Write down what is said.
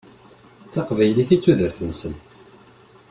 D taqbaylit i d tudert-nsen.